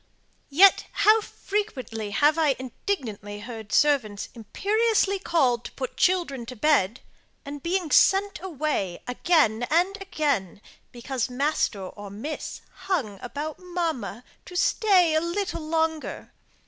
Yet, how frequently have I indignantly heard servants imperiously called to put children to bed, and sent away again and again, because master or miss hung about mamma, to stay a little longer.